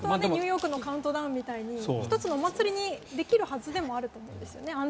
ニューヨークのカウントダウンみたいに１つのお祭りにできるはずなんですよね。